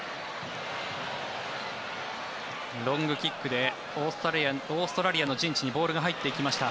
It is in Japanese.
ロングキックでオーストラリアの陣地にボールが入っていきました。